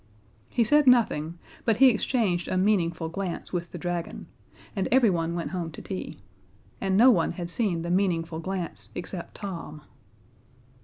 He said nothing, but he exchanged a meaningful glance with the dragon, and everyone went home to tea. And no one had seen the meaningful glance except Tom.